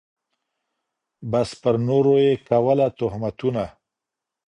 بس پر نورو یې کوله تهمتونه